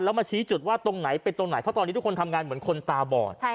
แล้วมาชี้จุดว่าตรงไหนเป็นตรงไหนเพราะตอนนี้ทุกคนทำงานเหมือนคนตาบอด